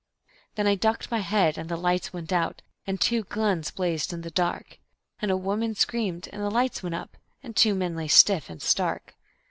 Then I ducked my head, and the lights went out, and two guns blazed in the dark, And a woman screamed, and the lights went up, and two men lay stiff and stark.